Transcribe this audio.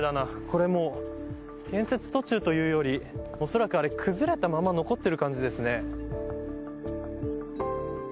これも建設途中というよりおそらく、あれ崩れたまま残っている感じですね。